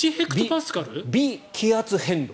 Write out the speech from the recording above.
微気圧変動。